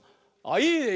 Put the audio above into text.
あっいいね。